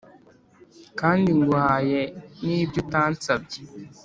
Kandi nguhaye n’ibyo utansabye